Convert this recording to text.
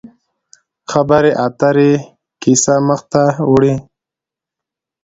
خبرې اترې کیسه مخ ته وړي.